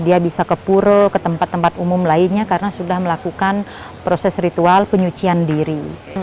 dia bisa ke puro ke tempat tempat umum lainnya karena sudah melakukan proses ritual penyucian diri